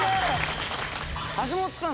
橋本さん